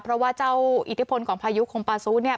เพราะว่าเจ้าอิทธิพลของพายุคงปาซูเนี่ย